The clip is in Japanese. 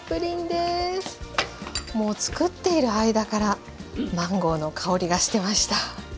もうつくっている間からマンゴーの香りがしてました。